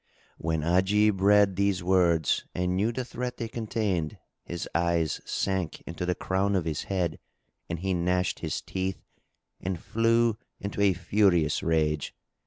When Ajib read these words and knew the threat they contained, his eyes sank into the crown of his head and he gnashed his teeth and flew into a furious rage.